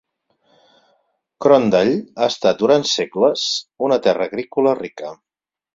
Crondall ha estat durant segles una terra agrícola rica.